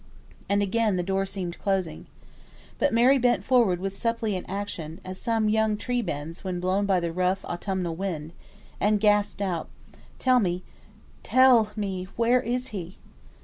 And again the door seemed closing. But Mary bent forwards with suppliant action (as some young tree bends, when blown by the rough, autumnal wind), and gasped out, "Tell me tell me where is he?"